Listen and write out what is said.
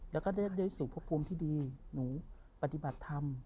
แล้วก็ได้สู่พระภูมิที่ดีหนูปฏิบัติธรรม